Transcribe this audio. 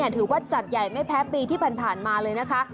ถือว่าจัดใหญ่ไม่แพ้ปีที่ผ่านมาเลยนะคะ